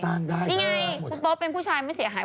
เพราะว่าเป็นผู้ชายไม่เสียหาย